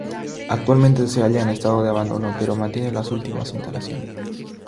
Actualmente se halla en estado de abandono, pero mantiene las últimas instalaciones.